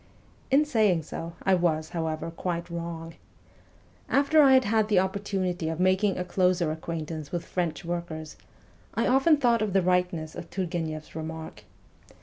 In so saying, I was, however, quite wrong. After I had had the opportunity of making a closer acquaint ance with French workers, I often thought of the Tightness of Turgueneff's remark.